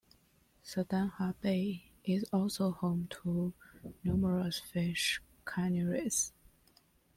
Saldanha Bay is also home to numerous fish canneries.